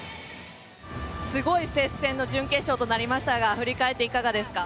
すごい接戦の準決勝となりましたが振り返っていかがですか？